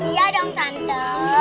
iya dong tante